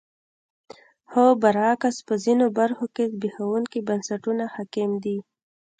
خو برعکس په ځینو برخو کې زبېښونکي بنسټونه حاکم دي.